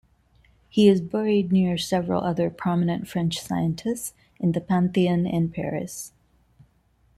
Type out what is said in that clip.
He is buried near several other prominent French scientists in the Pantheon in Paris.